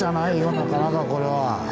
なかなかこれは。